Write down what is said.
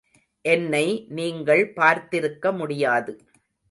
என்னை நீங்கள் பார்த்திருக்க முடியாது.